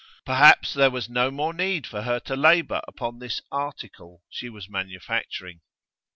Perhaps there was no more need for her to labour upon this 'article' she was manufacturing.